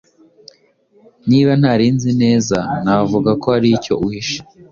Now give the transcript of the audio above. Niba ntari nzi neza, navuga ko hari icyo uhishe.